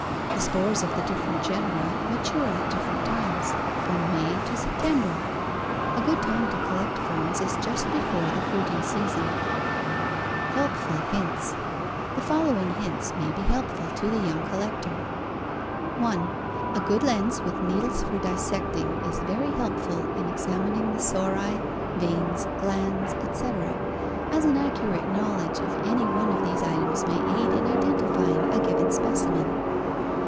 The spores of the different genera mature at different times from May to September. A good time to collect ferns is just before the fruiting season. (For times of fruiting see individual descriptions or chronological chart on page 220.) HELPFUL HINTS The following hints may be helpful to the young collector: 1. A good lens with needles for dissecting is very helpful in examining the sori, veins, glands, etc., as an accurate knowledge of any one of these items may aid in identifying a given specimen.